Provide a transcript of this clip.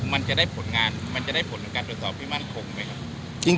มันจะได้ผลงานมันจะได้ผลของการตรวจสอบที่มั่นคงไหมครับ